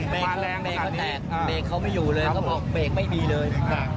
เบรกเขาไม่อยู่เลยก็บอกเบรกไม่มีเลย